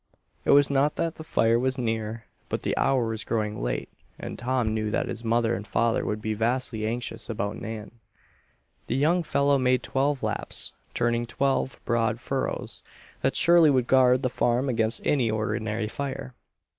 It was not that the fire was near; but the hour was growing late and Tom knew that his mother and father would be vastly anxious about Nan. The young fellow made twelve laps, turning twelve broad furrows that surely would guard the farm against any ordinary fire.